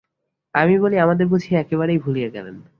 আমি বলি, আমাদের বুঝি একেবারেই ভুলিয়া গেলেন।